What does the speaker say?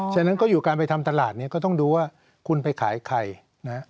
ฉะนั้นก็อยู่การไปทำตลาดเนี่ยก็ต้องดูว่าคุณไปขายใครนะฮะ